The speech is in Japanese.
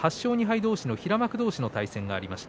同士の平幕同士の対戦がありました。